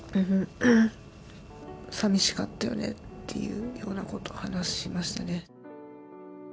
さみしかったよねっていうようなことを話しましたね。